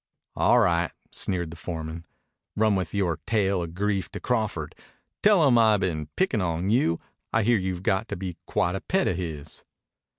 "All right," sneered the foreman. "Run with yore tale of grief to Crawford. Tell him I been pickin' on you. I hear you've got to be quite a pet of his."